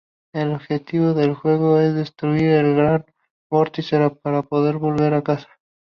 El objetivo del juego es destruir el Gran Vórtice para poder volver a casa.